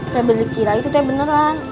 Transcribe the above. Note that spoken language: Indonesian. febri kira itu teh beneran